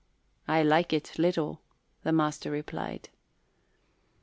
"I like it little," the master replied.